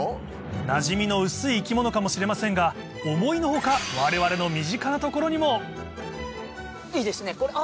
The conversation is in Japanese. なじみの薄い生き物かもしれませんが思いの外我々の身近な所にもいいですねあ！